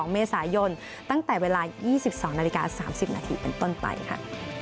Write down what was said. ๑๒เมษายนตั้งแต่เวลา๒๒๓๐นเป็นต้นไปค่ะ